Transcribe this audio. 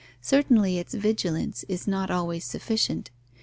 Certainly its vigilance is not always sufficient.